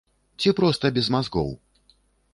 Ці проста без мазгоў?